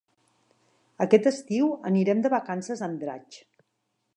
Aquest estiu anirem de vacances a Andratx.